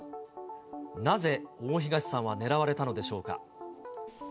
なぜ、大東さんは狙われたのでしょうか。